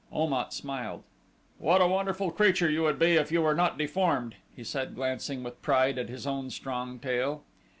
Om at smiled. "What a wonderful creature you would be if you were not deformed," he said, glancing with pride at his own strong tail.